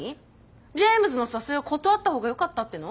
ジェームズの誘いを断ったほうがよかったっての？